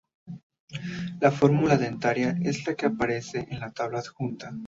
La fórmula dentaria es la que aparece en la tabla adjunta.